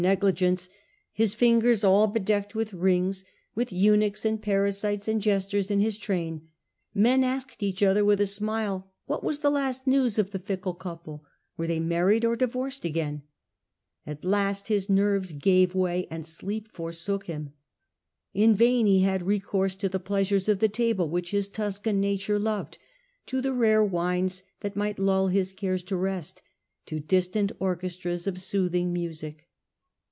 31 — negligence, his fingers all bedecked with rings, with eunuchs and parasites and jesters in his train, men asked each other with a smile what was the last news of the fickle couple — were they married or divorced again? At Sleepless ncrvcs gave way and sleep forsook ness. him. In vain he had recourse to the plea sures of the table which his Tuscan nature loved, to the rare wines that might lull his cares to rest, to distant orchestras of soothing music.